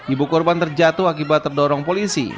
ibu korban terjatuh akibat terdorong polisi